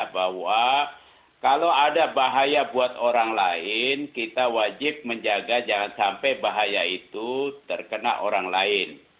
bahwa kalau ada bahaya buat orang lain kita wajib menjaga jangan sampai bahaya itu terkena orang lain